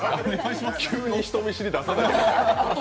急に人見知り出さないでください。